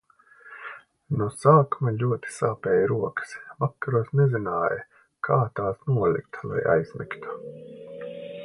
No sākuma ļoti sāpēja rokas, vakaros nezināju, kā tās nolikt, lai aizmigtu.